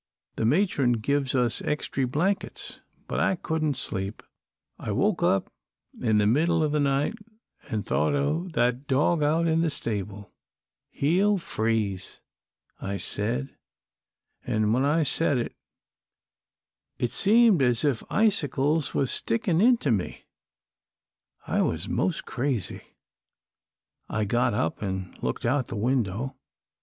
The matron give us extry blankets, but I couldn't sleep. I woke up in the middle o' the night, an' I thought o' that dog out in the stable. 'He'll freeze,' I said, an' when I said it, it seemed as if icicles were stickin' into me. I was mos' crazy. I got up an' looked out the window.